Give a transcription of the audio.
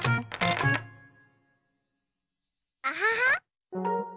アハハ！